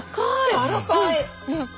やわらかい。